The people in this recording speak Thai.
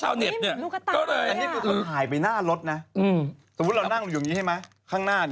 ไม่แต่จริงมันมืดตื๊ดเลยเขากดขึ้นมาถ่ายทำไม